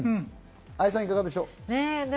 愛さん、いかがでしょう？